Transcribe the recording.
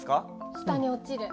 下に落ちる。